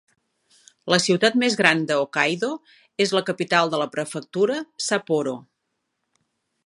La ciutat més gran de Hokkaido és la capital de la prefectura, Sapporo.